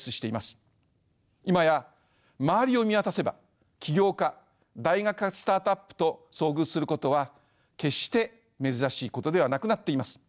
今や周りを見渡せば起業家大学発スタートアップと遭遇することは決して珍しいことではなくなっています。